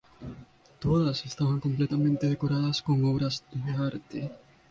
Todas estaban completamente decoradas con obras de arte.